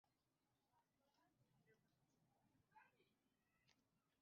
Ntugasambane na muka mugenzi wawe